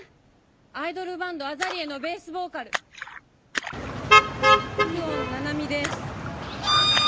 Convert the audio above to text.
アイドルバンドＡＺＡＬＥＡのベースボーカル久遠七海です。